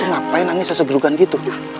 lu ngapain nangisnya segerukan gitu